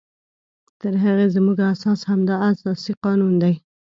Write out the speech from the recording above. تر هغې زمونږ اساس همدا اساسي قانون دی